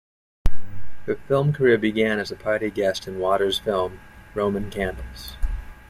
Her film career began as a party guest in Waters' film "Roman Candles".